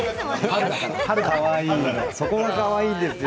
そこがかわいいんですよ